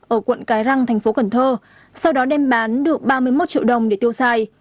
ở quận cái răng thành phố cần thơ sau đó đem bán được ba mươi một triệu đồng để tiêu xài